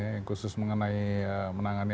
yang khusus mengenai menangani